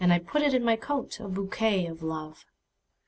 put it in my coat,A bouquet of Love!